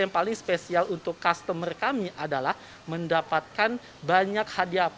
yang paling spesial untuk customer kami adalah mendapatkan banyak hadiah